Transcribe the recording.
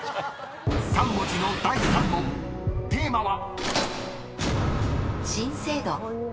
［３文字の第３問テーマは］